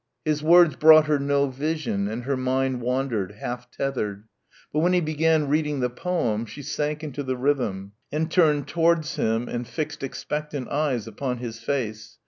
His words brought her no vision and her mind wandered, half tethered. But when he began reading the poem she sank into the rhythm and turned towards him and fixed expectant eyes upon his face.